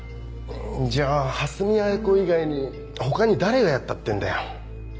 じゃあ蓮見綾子以外に他に誰がやったっていうんだよ。